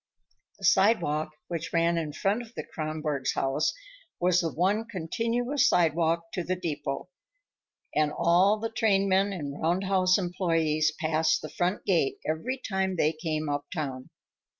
The sidewalk which ran in front of the Kronborgs' house was the one continuous sidewalk to the depot, and all the train men and roundhouse employees passed the front gate every time they came uptown.